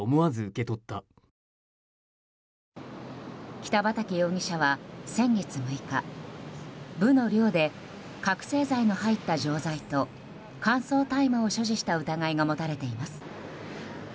北畠容疑者は先月６日部の寮で覚醒剤の入った錠剤と乾燥大麻を所持した疑いが持たれています。